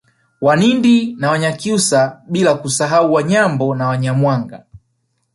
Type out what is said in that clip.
Wanindi na Wanyakyusa bila kusahau Wanyambo na Wanyamwanga